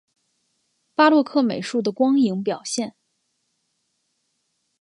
巴洛克美术的光影表现